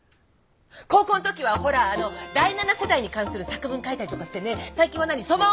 高校ん時はほらあの第七世代に関する作文書いたりとかしてね最近はなにソマオとか？